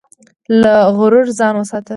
له غرور ځان وساته.